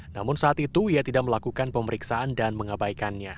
namun saat itu ia tidak melakukan pemeriksaan dan mengabaikannya